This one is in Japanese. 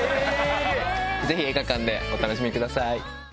ぜひ映画館でお楽しみください。